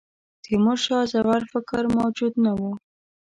تیمورشاه ژور فکر موجود نه وو.